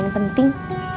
itu poin penting